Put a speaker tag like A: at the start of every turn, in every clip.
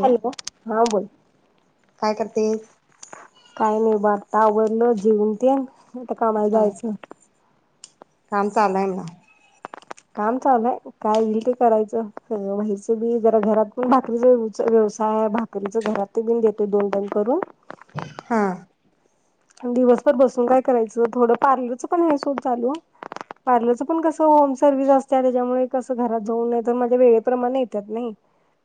A: Hello, हा बोल
B: काय करतेस
A: काय नाही बात आता आवरलं जेऊन तेन आता कामाला
B: हा
A: जायचं
B: काम चालय म्हणा
A: काम चाललंय काय येईल ते करायचं व्हायचं बी जरा घरात पण भाकरीच व्यवसाय आहे भाकरीच घरात ते बि देते दोन दोन करून
B: हा
A: दिवसभर बसून काय करायचं थोडं पार्लरचं पण हे सोड चालू पार्लरच पण कस होम सर्व्हस असत त्याच्यामुळे कस घरात जाऊन नाही तर माझ्या वेळेप्रमाणे येतात नाई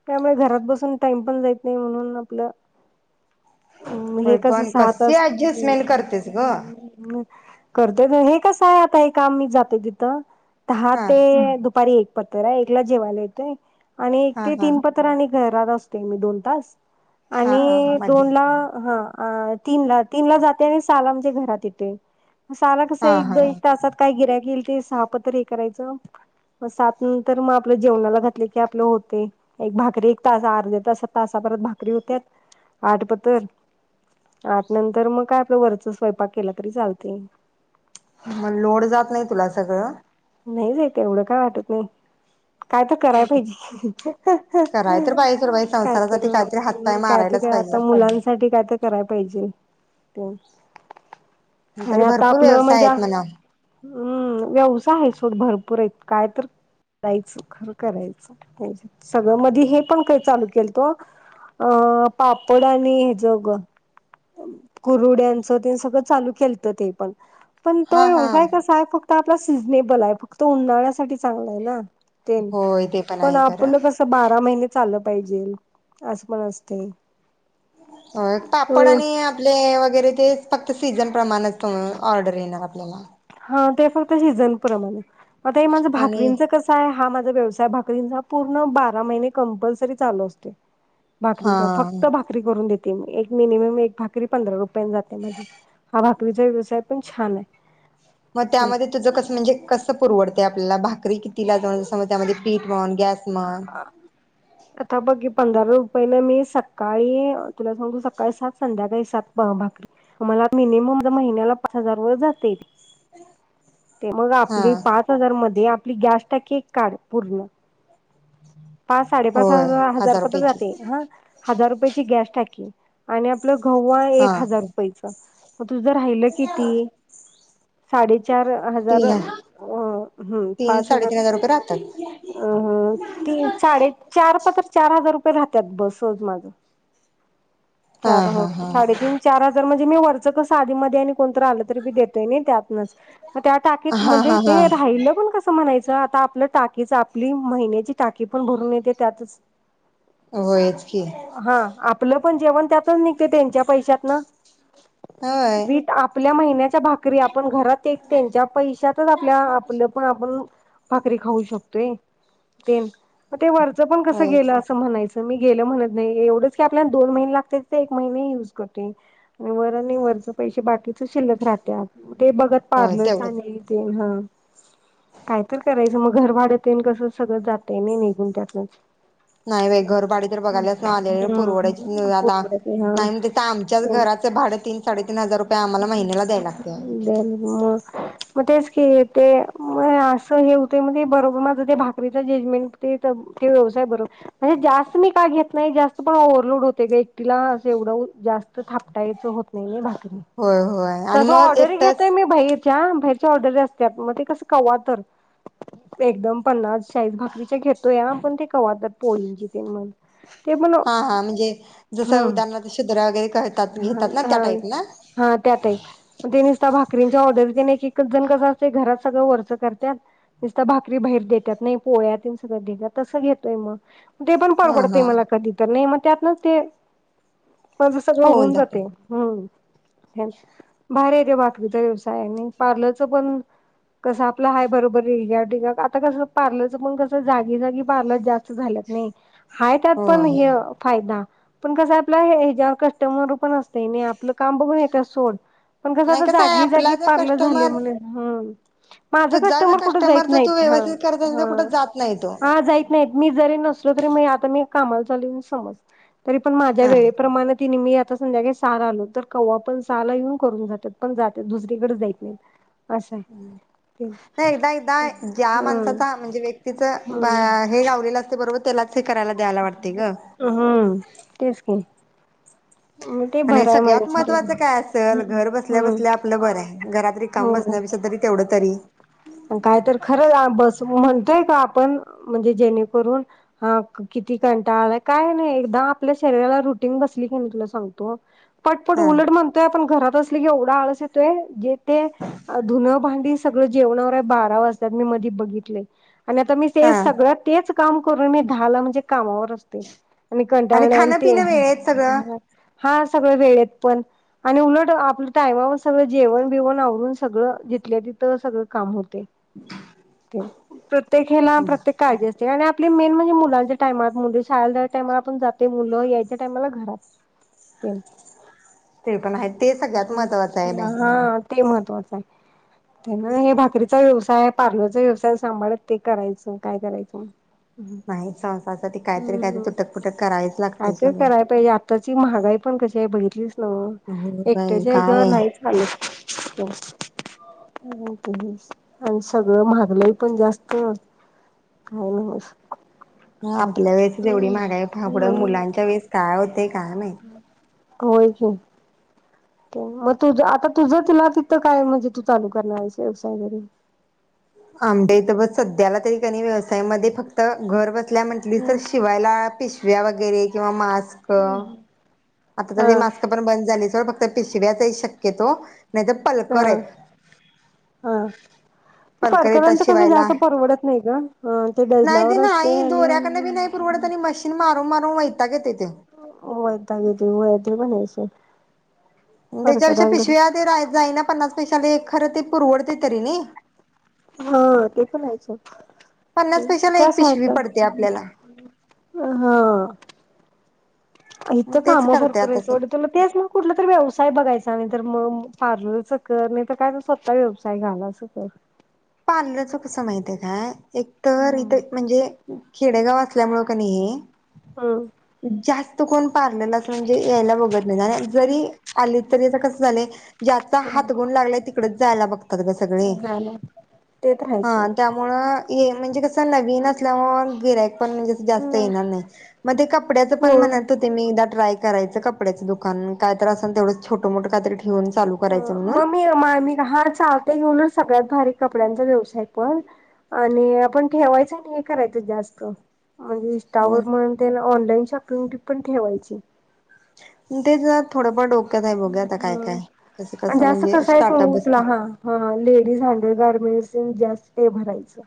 A: त्यामुळे घरात बसून टाइम पण जात नाही म्हणून आपलं हे कसं सहा तास
B: ऍडजस्टमेट करतेस ग
A: करते हे कसं आहे आता हे काम मी जाते तिथं दहा
B: हा
A: ते दुपारी एक पत्रा एकला जेवायला येतोय आणि एक
B: हा
A: ते
B: हा
A: तीन परत आणि घरात असते मी दोन तास
B: हा हा
A: आणि
B: मधी
A: दोन ला हा अ तीनला तीन ला जाते आणि सहा ला म्हणजे घरात येतोय सहा ला कस
B: हा
A: एक
B: हा
A: दो एक तासात काय गिराईक येईल तेच सहा पातर् हे करायचं मग सात नंतर मग आपल्या जेवणाला घातले की आपले होते एक भाकरी एक तास अर्ध्या तासात तासाप भाकरी होत्या आठ पथर आठ नंतर मग काय आपलं वरच स्वयंपाक केला तरी चालते
B: मग लोड जात नाही तुला सगळं
A: नाही नाही तेवढ काय वाटत नाही काय तर कराय पाहिजे ह ह
B: कराय तर
A: ह
B: पाहिजे सोड बाई
A: काय तर
B: संसारासाठी काहीतरी हातपाय
A: काय तर
B: मारायलाच पाहिजे
A: आता मुलांसाठी काय तर कराय पाहिजे ते
B: तरी भरपूर व्यवसाय आहेत म्हणाव
A: हम्म व्यव आहे सोड भरपूर आहेत काय तर करायचं खर करायचं सगळं मधी हे पण काही चालू केलत अ पापड आणि हे ज ग कुरुड्यांचं ते सगळं चालू केलत ते पण पण तो
B: हा हा
A: व्यावसाय कसा आहे फक्त आपण सिझनेबल आहे फक्त उन्हाळ्यासाठी चांगलं आहे ना तेन
B: होय ते पण आहे खरं
A: आपलं कस बारा महिने चालल पाहिजे असं पण असते
B: हो
A: तो
B: पापड आणि आपले वगैरे ते फक्त तर सीझन प्रमाणच ऑर्डर येणार आपल्याला
A: हा ते फक्त शिजनप्रमाणे आता हे माझं
B: आणि
A: भाकरीचं कस आहे हा व्यवसाय भाकरी पूर्ण बारा महिने कंपल्सरी चालू असतोय भाकरीचा
B: हा
A: फक्त भाकरी करून देत एक मिनिमम एक भाकरी पंधरा रुपये पर्यंत जाते म्हणजे तुमचे व्यवसाय पण छान आहे
B: मग त्यामध्ये तुझं कस म्हणजे म्हणजे कसं पुरवडत ते आपल्याला भाकरी किती लाजाऊन मग त्यामध्ये पीठ म्हण गॅस म्हण
A: आता बघीत पंधरा रुपयेने मी सकाळी तुला सांगतो सकाळी सात संध्याकाळी सात भाकरी मला मिनिमम महिन्याला पाच हजार व जातय. ते मग
B: हा
A: आपली पाच हजार मध्ये आपली गॅस टाकी काढ पूर्ण पाच साडेपाच
B: होय
A: हजार हजार प
B: रुपयाची
A: जाते हा हजार रुपयाची गॅस टाकी आणि आपलं गहू आहे
B: हा
A: एक हजार रुपयच तुझं राहिलं किती साडे चार हजार अ
B: तीन
A: ह
B: तीन
A: पाच हजार
B: साडेतीन रुपये राहतात
A: अ तीन साडे चार प तर चार हजार रुपये राहतात सहज माझ
B: हा
A: चार
B: हा हा
A: साडेतीन चार हजार म्हणजे मी वर त्याच कस आधी मधी आणि कोणतं आले की बी देताय नई त्यातंनच मग त्या टाकीत
B: हा
A: म्हणजे
B: हा
A: ते
B: हा
A: राहील पण कस म्हणायचं आता आपलं टाकीच आपली महिन्याची टाकी पण भरून येते त्यातच
B: होयच की
A: हा आपलं पण जेवण त्यातच निघते त्यांच्या पैशातत न
B: होय
A: वीट आपली त्या महिन्यात भाकरी आप घरात त्यांच्या पैशातचआपल आपण आपण भाकरी खाऊ शकतोय तेन म ते वरंच पण कसं
B: होयच
A: गेलं असं म्हणायचं मी गेलं म्हणत नाही एवढंच की आपल्याला दोन महिने लागत्यात तित एक महिने युज करते आणि वर आणि वरच पैसे बाकीच शिल्लक राहत्यात ते बघत
B: होय
A: पार्लर चा
B: तेवढंच
A: आणि ते हा काय तर करायचं म घर भाड तेन कसं सगळं जातय नय निघून त्यातून
B: नाय बाय घरभाडे तर बघायलाच नाय आलेले
A: हा
B: पुरवड्या आता
A: परवडत नाही
B: नाय म
A: हा.
B: त्या आमच्याच घराच भाड तीन साडेतीन हजार रुपये आम्हाला महिन्याला द्याय लागत.
A: कि ते म असं हे होतय म ते बरोबर माझं ते भा [unintelligible] जेजमेंट ते ते व्यवसाय बर म्हणजे जास्त मी का घेत नाय जास्त पण ओव्हरलोड होतय ग एकटीला अस एवढं जास्त थापटायचं होत नाही नय भा
B: होय होय आणि
A: तस
B: मग
A: ऑर्डर
B: एकटंच
A: घेतोय मी भाईर त्या बाहेरच्या ऑर्डरी असत्यात मग ते कस कवा तर एकदम पन्नास [unintelligible] भाकरीच्या घेत तो याहा पण ते कवा पण पोळींजिते मंग ते
B: हा हा म्हणजे जसं उदाहरणार्थ शिद्रा वगैरे करतात
A: ह
B: घेतात ना त्या
A: हा
B: टाईप ना
A: हा त्या टाईप पण ते नुसता भा भाकरींचा ऑर्डर किनई एकच जण कस असते घरात सगळं वरच करत्यात निसत भाकरी बाहेर देत्यात नाही पोळ्या तेनं सगळं देत्यात तसं घेतोय म ते पण
B: हा
A: परवडतय
B: हा
A: मला कधी तर नाही मग त्यातन ते माझ सगळं होऊन जातय हूं भारी आहे ते भाकरीचा व्यवसाय आहे आणि पार्लरच पण कस आपलं हाय बरोबर रिगा टिगा आता कस पार्लरच पण कस जागी जागी पार्लर जास्त झाल्यात नई हाय त्यात
B: हो
A: पण ह्य फायदा पण कसं आपलं हे तेव्हा कस्टमरं पण अस त्याने आपलं काम बघून येत अस सोड पण कसं
B: नाही
A: आता
B: आहे
A: जागी
B: आपला
A: जागी
B: जो
A: पार्रलं झाले
B: कस्टमर
A: म्हणून हूं माझ
B: तुझा जो
A: कस्टमर कुठ जाईत
B: जर तू
A: नाहीत ह
B: व्यवस्थित करत असेल
A: ह
B: तर कुठं जात नाही तो
A: ह जाईत नाहीत मी जरी नसलो तरी मी आता मी कामाला चाल्ली म्हणून समज तरी पण माझ्या
B: हा
A: वेळेेत किनी मी आता संध्याकाळी सहाला आलो तर कव्हा पण सहाला येऊन करून जात्यात पण जात्यात दुसरीकड जाईत नाहीत. असं आहे ते
B: नाही ताई ताय ज्या
A: हम्म
B: माणसाचा म्हणजे व्यक्तीच ब हे गावलेलं अस बरोबर त्यालाच हे करायला द्यायला वाटते ग
A: हूं तेच की मग ते
B: आणि
A: भराय
B: सगळ्यात
A: माझ्या
B: महत्त्वाचं
A: झालं.
B: काय असल घर बसल्या
A: हम्म
B: बसल्या आपलं बरं आहे घरातली रिकाम
A: हो ना
B: बसण्यापेक्षा तरी तेवढं तरी [unintelligible]
A: काय तर खरं बस म्हण नाही का आपण म्हणजे जेणेकरून हा किती कंटाळा आलाय काय नाही एकदा आपल्या शरीराला रुटीन बसली की नाही तुला सांगतो पटपट
B: हा
A: उलट म्हणतोय आपण घरातच एवढा आळस येतोय की ते धुन भांडी सगळ जेवण बारा वाजतात मी मधी बघितलेय आणि आता मी ते
B: हा
A: सगळं तेच काम करून मी दहाला म्हणजे कामावर असते मी कंटाळणे आणि
B: खाणं
A: ते
B: पिणं वेळेत
A: झाला
B: सगळं
A: हा सगळ वेळेत पण आणी उलट आपण टायमावर सगळ जेवण बिवन आवरून सगळं जिथल्या तिथं सगळ काम होत तेन प्र प्रत्येक ह्याला प्रत्येक काळजी असते तेन आपले मेन म्हणजे मुलांच्या टायम मु शाळे टायम आपण जाते मुलं यायच्या टायमाला घरात तेन
B: ते पण आहे ते सगळ्यात महत्त्वाचं आहे बाई
A: हा ते महत्वाच आहे भाकरी चा व्यवसाय पारलरचा व्यवसाय सांभाळत ते करायचं काय करायचं म
B: नाही संसारसाठी काहीतरी काहीतरी तुटक पुुटक करावीच लागते सगळे
A: ची महागई पण कशी आहे बघितलीस हो
B: हो बाई
A: एकट्याच्या हच्यावर
B: काय
A: नाही चालत [inaudible] आणि सगळं महागलय पण जास्त काय न
B: ह आपल्या वेळेसच एवढी महागाई पहा पुढ
A: हम्म
B: मुलांच्या वेळेस काय हो काय माहित
A: होय की मग तुझ आता तुझ तिला तिथं काय म्हणजे तू चालू करणार आहेस व्यवसाय घरी
B: आंबे तर ब सध्याला तरीनी व्यवसायामध्ये फक्त घर बस म्हटल तर शिवायला पिशव्या वैगरे गैरे किंवा मास मास्क आता
A: हा
B: त मास्क पण बंद झा फक्त पिशव्याचाही शक्यतो नाही तर
A: हा
B: पलकर आहे
A: ती परकरांचं कसं जास्त परवडत नाही गं, ह आणि ते
B: नाही
A: डजनावर
B: ते
A: असते
B: नाही
A: आणि
B: दोऱ्याकडनं बी नाही पुरवडत आणि मशीन मारून मारून वैताग येते.
A: [unintelligible]
B: उ तेज्या पेक्षा
A: परकरांकडे
B: पिशव्या ते राय जाईना पन्नास पैशाले एक खरं ते पुरवडते तरी नई.
A: ह ते पण हाय सोड
B: पन्नास पैशाला
A: त्या
B: एक पिशवी
A: साईडला
B: पडते आपल्याला
A: हा आ इथं
B: मग तेच
A: काम
B: करते
A: भरपूराय
B: आता
A: सोड
B: सध्या.
A: तुला तेच म कुठला तरी व्यवसाय बघाय सां तर म पार्लरच कर नई तर काय तर स्वतः व्यवसाय घाल अस कर.
B: पार्लरच कस माहिते काय एकतर
A: हम्म
B: हिते म्हणजे खेडेगाव असल्यामुळ कणी हे जास् त कोण पार्लरलाच म्हणजे यायला बघत नईत आणि आज जरी आली तरी आता कस झालंय. ज्याचा
A: हम्म
B: हातगुण लागलाय ती कडच जायला बग् त्यात गं सगळे
A: झालं ते तर हाय सोड
B: हा ये म्हणजे कस नवीन असल्यामुळंन गिऱ्हा पण कस जास्त येणार नाई, म ते कपड्याच पण
A: हो.
B: म्हणत होते मी एकदा ट्राय करायचं कपड्याच दुकान काय तर असल तेवढच छोटं मोठं कायतरी ठे
A: ह म मी [unintelligible] हा चालते घेऊनच सगळ्यात भारी कपड्यांचा व्यवसाय पण आणि आपण ठेवायचं आणि करायचं जास्त म्हणजे इन्स्टावर म्हण तेन ऑनलाईन शॉ [unintelligible] पण ठेवायची.
B: उ तेज्यात
A: ह
B: कसं
A: म्हणजे अस
B: म्हणजे
A: कसं आय
B: स्टार्टअप
A: सांगू
B: बसते
A: तुला हा, हा हा लेडीज अंडर गारमेंटस् तेन जास्त भरायचं.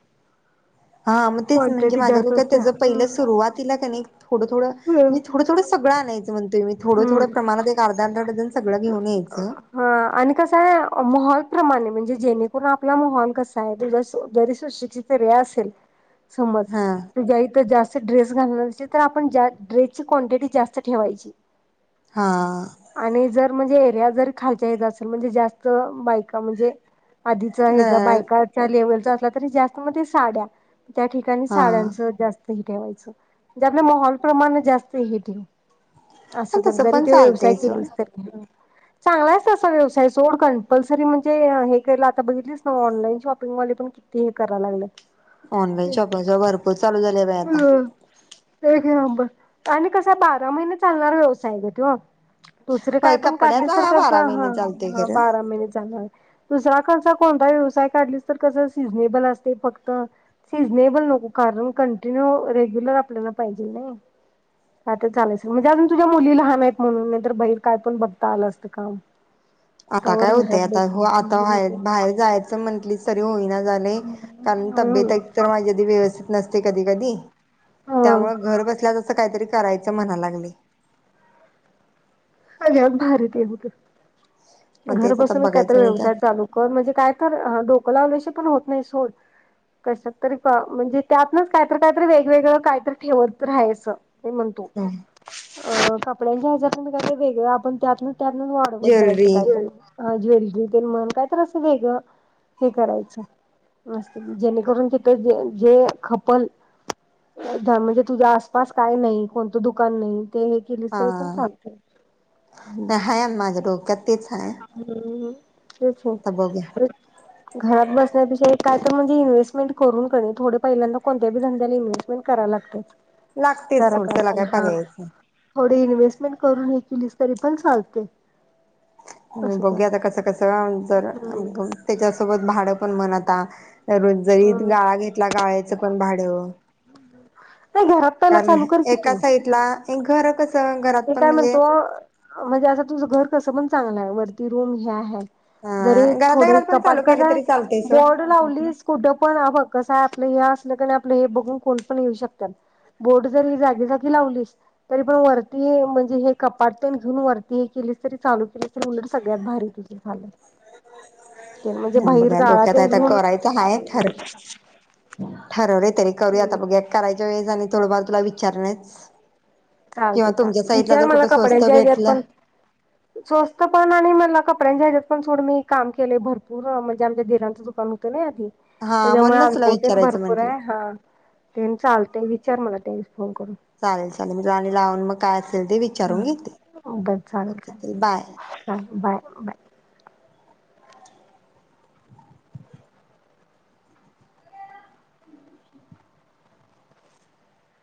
B: हा म तेच म्हणजे
A: क्वांटिटी
B: माझ्या
A: जास्त
B: डोक्यात
A: असत्या.
B: त्याज पयलं सुरुवातीला कनी थोडं थोडं म्ह थोडं थोडं सगळं आणायचं. म्हणतोय मी थोडं थोडं
A: हं
B: प्रमाणात एक अर्धा अर्धा डझन सगळं घेऊन यायचं.
A: हा आणि कसाय माहोल प्रमाण म्हण जे जेणेकरून आपला माहोल कसाय तेज्या शे शेजारी सुशिक्षित सगळे असेल. समज,
B: हा
A: तुझ्या इथं जास्त, ड्रेस घालनार असेल तर, आपण जास ड्रेसची कॉन्टीटी जास्त ठेवायची.
B: हा आ.
A: आणि जर म्हणजे एरिया जर खालच्या हेजा असेल म्हणजे जास्त बायका म्हणजे, आधीच हेज
B: अ
A: बायकाचा लेव्हल. [unintelligible] तरी जास्त मधे साड्या, त्या ठिकाणी
B: हा
A: साड्यांचं जास्त ही, ठेवायच, म्हणजे आपल्या मोहाल प्रमाण जास्तय हिटिंग.
B: पण
A: असं कर
B: तसं
A: जरी
B: पण
A: तो व्यवसाय
B: चालतंय सोड
A: केलीस तरी, हं. चांगला आहे तसं व्यवसाय सोड कंपल्सरी म्हणजे अ हे केलं आता बघितलीच ना, ऑनलाईन शॉपिंग वाले पण किती हे कराय लागल्यात.
B: ऑनलाईन शॉपिंगच भरपूर चालू झाल्या बाई आता.
A: एक नंबर आणि कस आहे बारा महिन्यात, चालणार व्यवसायय ग तो. दुसरे काय
B: होय
A: पण काढली
B: कपड्याचा
A: तर
B: हा
A: कस,
B: बारा
A: ह
B: महिने चालतोय
A: हा
B: खरं
A: बारा महिने चाल णार. दुसरा कसा कोणताही व्यवसाय काढला तर कस सीजनेबल असतय फक्त, सिनेबल नको कारण कंटिन्यू रेग्युलर आपल्याला पाहिजे नाही, आता चालाय म्हणजे अजून तुझ्या मुली लहान आहेत म्हणून, नाही तर बहेर काय पण बघता आलं असतं काम.
B: आता काय
A: तवर
B: होतय
A: घरात
B: आता हो
A: बसून
B: आता बाहेर जायचं म्हटलीस तरी होई ना झाले कारण, तब्येत एक तर माझी अगदी व्यवस्थित नसते. कधी कधी.
A: हा
B: त्यामुळं घर बसल्या काहीतरी करायचं म्हणा लागले.
A: [unintelligible] भारतीय होतं.
B: मग
A: घर
B: तेच आता
A: बसूनच कायतर
B: बघायचं नाही
A: व्यवसाय
B: तर
A: चालू कर, म्हणजे काय तर अ डोकं लावल्या शिवा त्यातण पण होत नाही सोड, कशातरी म्हणजे त्यातन काहीत काहीतरी वेगवेगळं काहीत ठेवत राहायचं. [unintelligible] म्हणतो. अ कपड्यांच्या ह्याज्यातूनच [inaudible] वेगळं आपण त्यातनं त्यातनचं वाढवत जायचं
B: ज्वेलरी
A: काहीतरी, ह ज्वेलरी ते म्हण कायत असं वेगळं हे करायचं, मस्त जेणेकरून तिथं जे खपल म्हणजे तुझ्या आसपास काय नाही, कोणतं दुकान नाही. ते हे केलीस तरी पण चालतय.
B: नाही [unintelligible] माझं डोक्यात ते.
A: [unintelligible] [unintelligible] ते
B: बघूया
A: घरात बसन्या पेक्षा हे काय तर म्हणजे इन्स्टमेंट करून कनिय थोडे पहिल्यांदा कोणत्याबी धंद्याला इन्व्हेसमेंट कराय लागते.
B: लागतेच सोड तेला काय पर्याय नाही.
A: काही तरी इन्व्हेस्टमेंट करून हे केलीस तरी पण चालतय.
B: बघुया. आता कस कस जर त्याच्यासोबत भाड पण म्हण रोज जरी
A: हम्म.
B: गाळा घेतला गाळ्याचं पण भाड हॅलो
A: [inaudible] पहिला
B: कारण
A: चालू कर की
B: एका
A: तू
B: साइड ला, इंक घरातच
A: मी काय म्हणतो, म्हणजे असं तुझं घर कसं पण चांगलं हाय वरती रूम हे हाय जरी
B: घरातल्या
A: थोडे
B: घरात पण
A: कपाट
B: चालू केलं
A: कसाय
B: तरी चालतंय सोड
A: बोर्ड लावलीस कुठं पण बघ कसय आपलं हे असल कणी हे बघून कोण पण येऊ शकत बोर्ड जरी जागी जागी लावली तरी पण वर तु हणजे हे कपाट तेन घेऊन वरती हे केलीच तरी चालू मी तर म्हटल सगळ्यात भारी तु झालं तेन म्हणजे बाहीर
B: बघा
A: गाळा
B: डोक्यात
A: तेन
B: आता
A: घेऊन
B: करायचं हाय ठर ठरवले तरी करूया आता बघूया करायच्या वेळी जरा मी थोडंफार तुला विचारणेच किंवा
A: चालतय
B: तुमच्या
A: चालतय
B: साईडला
A: विचार
B: जर
A: मला
B: कुठं स्वस्त
A: कपड्यांच्या हेच्यात
B: भेटलं
A: पण स्वस्त फोन आणि मला कपड्यांच्या ह्यात पण सोड मी काम केलय भरपूर म्हणजे आमच्या दिरांचं दुकान होत नाई हा
B: हा
A: त्याच्यामुळे
B: म्हणूनच तुला
A: अनुभव तेन
B: विचारायचं
A: भरपूर
B: म्हटलं
A: हाय हा तेन चालतय विक विचार मला काहीही
B: चालेल चालेल मी तुला अजुन लावून मग काय असेल? ते विचारून घेते
A: हा बर चालेल
B: ओके चल बाय
A: चालेल बाय बाय